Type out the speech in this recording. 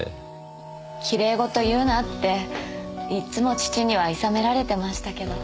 奇麗事を言うなっていつも父には諌められてましたけど。